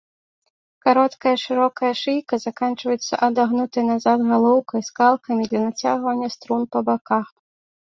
Кароткая шырокая шыйка заканчваецца адагнутай назад галоўкай з калкамі для нацягвання струн па баках.